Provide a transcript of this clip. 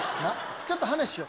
ちょっと話しよう。